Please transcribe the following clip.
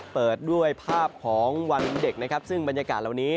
เปิดด้วยภาพของวันเด็กนะครับซึ่งบรรยากาศเหล่านี้